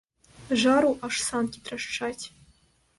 Жару, аж санкі трашчаць.